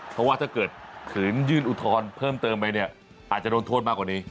เพราะว่าถ้าเกิดขืนยื่นอุทธรณ์เพิ่มเติมไปเนี่ยอาจจะโดนโทษมากกว่านี้